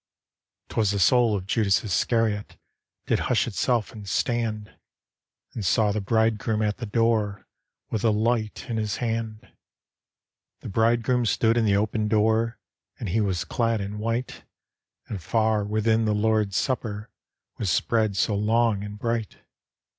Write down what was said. Twas the soul of Judas Iscariot Did hush itself and stand. And saw the Bridegroom at the door With a li^t in his hand. D,gt,, erihyGOO^IC The Ballad of Judat Iscariot 211 The Bridegroom stood in the open door, And he was clad in white, And far within the Lord's Supper Was spread so long and bright.